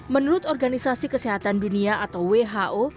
menurut organisasi kesehatan dunia atau who